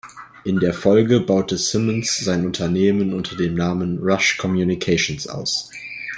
In der Folge baute Simmons sein Unternehmen unter dem Namen "Rush Communications" aus.